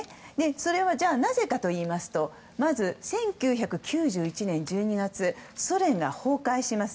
それはなぜかといいますとまず１９９１年１２月ソ連が崩壊します。